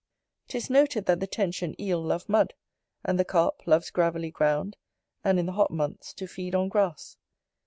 'Tis noted, that the Tench and Eel love mud; and the Carp loves gravelly ground, and in the hot months to feed on grass.